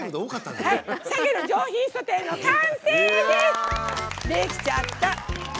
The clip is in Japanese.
できちゃった！